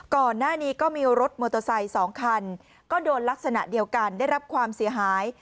ก่อนหน้านี้ก็มีรถมอเตอร์ไซค์๒คันก็โดนลักษณะเดียวกันได้รับความเสียหาย